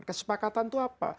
kesepakatan itu apa